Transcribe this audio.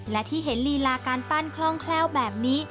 และที่เห็นลีลาการปั้นคล่องแคล่วแบบนี้